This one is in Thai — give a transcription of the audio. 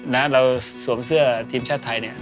เราสวมเสื้อทีมชาติไทยเนี่ย